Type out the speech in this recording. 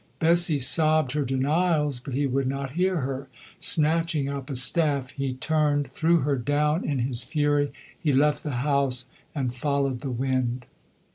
Bessie sobbed her denials, but he would not hear her. Snatching up a staff, he turned, threw her down in his fury. He left the house and followed the wind.